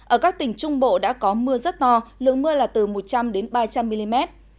ở các tỉnh trung bộ đã có mưa rất to lượng mưa là từ một trăm linh ba trăm linh mm